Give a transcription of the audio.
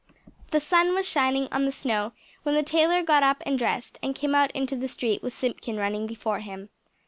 The sun was shining on the snow when the tailor got up and dressed, and came out into the street with Simpkin running before him.